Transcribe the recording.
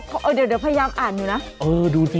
เออเดี๋ยวพยายามอ่านดูนะ